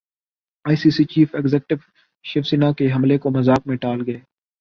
ائی سی C chief executive شوسینا کے حملے کو مذاق میں ٹال گئے